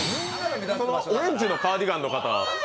オレンジのカーディガンの方。